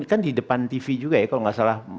kan di depan tv juga ya kalau nggak salah